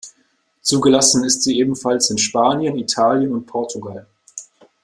Zugelassen ist sie ebenfalls in Spanien, Italien und Portugal.